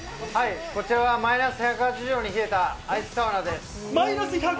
こちらはマイナス１８０度に冷えたアイスサウナです。